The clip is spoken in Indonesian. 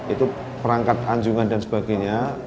itu perangkat anjungan dan sebagainya